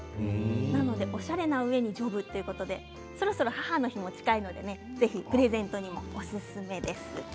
なのでおしゃれなうえに丈夫ということで、そろそろ母の日も近いのでぜひプレゼントにおすすめです。